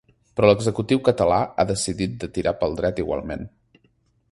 Però l’executiu català ha decidit de tirar pel dret igualment.